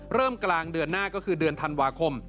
กลางเดือนหน้าก็คือเดือนธันวาคม